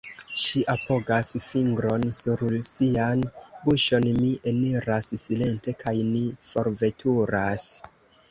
Ŝi apogas fingron sur sian buŝon, mi eniras silente, kaj ni forveturas.